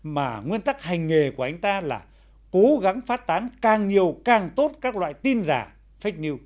mà nguyên tắc hành nghề của anh ta là cố gắng phát tán càng nhiều càng tốt các loại tin giả